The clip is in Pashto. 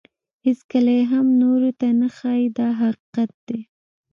هیڅکله یې هم نورو ته نه ښایي دا حقیقت دی.